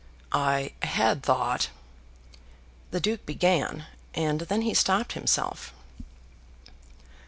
"I had thought, " the Duke began, and then he stopped himself.